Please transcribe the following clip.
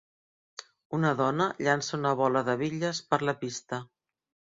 Una dona llança una bola de bitlles per la pista.